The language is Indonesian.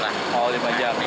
ada sekitar lima jam lah